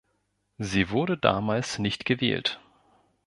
Sie wurde damals nicht gewählt.